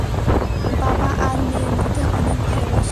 বাবা আর মেয়ের মধ্যে অনেক ভালোবাসা।